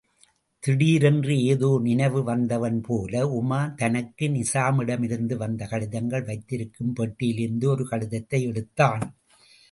திடீரென்று ஏதோ நினைவு வந்தவன்போல, உமார் தனக்கு நிசாமிடமிருந்து வந்த கடிதங்கள் வைத்திருக்கும் பெட்டியிலிருந்து ஒரு கடிதத்தை எடுத்தான்.